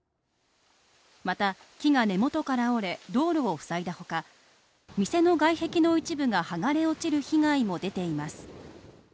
また木が根元から折れ、道路を塞いだほか店の外壁の一部が剥がれ落ちる被害も出ています